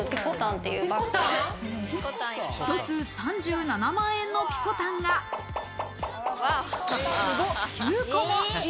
１つ３７万円のピコタンが９個も。